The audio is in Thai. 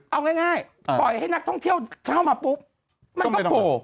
เอาง่ายปล่อยให้นักท่องเที่ยวเข้ามาปุ๊บมันก็โผล่